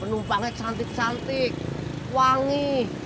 penumpangnya cantik cantik wangi